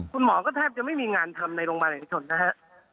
คุณหมอก็แทบจะไม่มีงานทำในโรงพยาบาลเอกชนนะฮะ